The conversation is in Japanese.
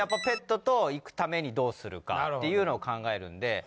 ペットと行くためにどうするかっていうのを考えるんで。